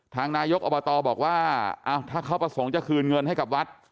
นายกอบตบอกว่าถ้าเขาประสงค์จะคืนเงินให้กับวัด